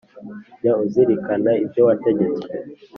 Jya uzirikana ibyo wategetswe